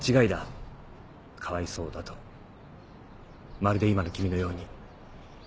まるで今の君のように。